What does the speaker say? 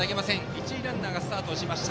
一塁ランナーがスタートしました。